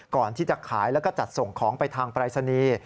ก่อนที่จะขายแล้วก็จัดส่งของไปทางปรายศนีย์